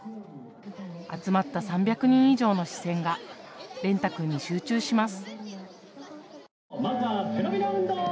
集まった３００人以上の視線が蓮汰君に集中します。